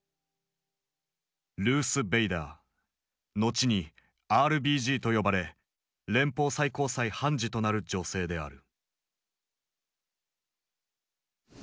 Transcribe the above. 後に「ＲＢＧ」と呼ばれ連邦最高裁判事となる女性である。